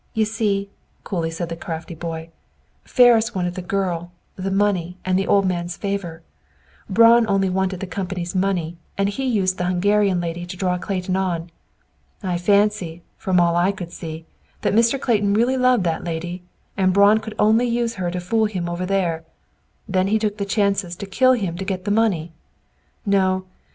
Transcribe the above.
You see," coolly said the crafty boy, "Ferris wanted the girl, the money, and the old man's favor. Braun only wanted the company's money, and used the Hungarian lady to draw Clayton on. I fancy, from all I could see, that Mr. Clayton really loved that lady; and Braun could only use her to fool him over there; then he took the chances to kill him to get the money. No!